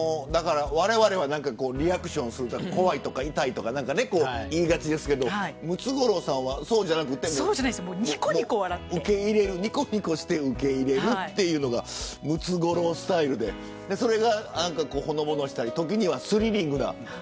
われわれはリアクションすることが多いですがムツゴロウさんはそうじゃなくてにこにこして受け入れるというのがムツゴロウスタイルでそれがほのぼのしたり時にはスリリングで。